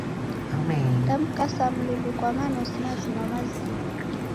Damkasa Mlungu kwa manosi mazima-mazima.